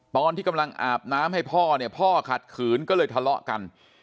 ตอนที่กำลังอาบน้ำให้พ่อเนี่ยพ่อขัดขืนก็เลยทะเลาะกัน